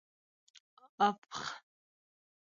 افغ